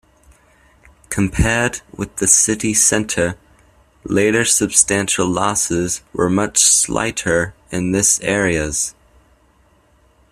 Compared with the city centre, later substantial losses were much slighter in this areas.